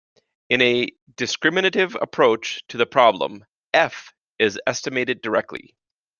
In a discriminative approach to the problem, "f" is estimated directly.